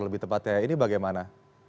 lebih tepatnya ini bagaimana